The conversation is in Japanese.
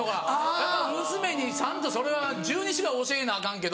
やっぱ娘にちゃんとそれは十二支は教えなアカンけど。